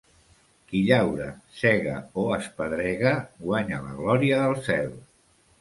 Qui llaura, sega o espedrega guanya la glòria del cel.